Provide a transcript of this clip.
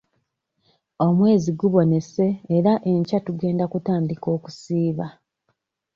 Omwezi gubonese era enkya tugenda kutandika okusiiba.